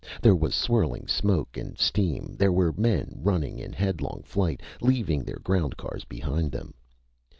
There was swirling smoke and steam. There were men running in headlong flight, leaving their ground cars behind them.